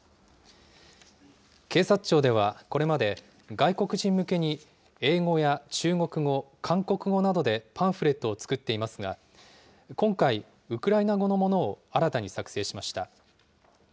警察庁ではこれまで、外国人向けに英語や中国語、韓国語などでパンフレットを作っていますが、今回、ウクライナ語のものを新たに作成しました。